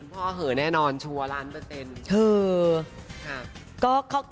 พ่อเหลือแน่นอนชัวร์ล้านเปอร์เตน